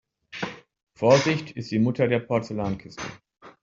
Vorsicht ist die Mutter der Porzellankiste.